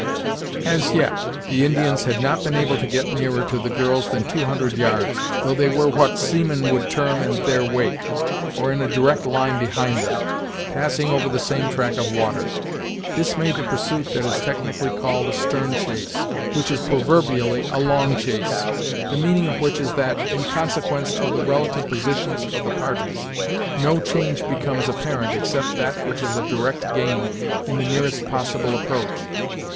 As yet the Indians had not been able to get nearer to the girls than two hundred yards, though they were what seamen would term "in their wake"; or in a direct line behind them, passing over the same track of water. This made the pursuit what is technically called a "stern chase", which is proverbially a "long chase": the meaning of which is that, in consequence of the relative positions of the parties, no change becomes apparent except that which is a direct gain in the nearest possible approach.